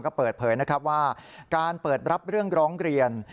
ก็เปิดเผยนะครับว่าการเปิดรับเรื่องร้องเรียน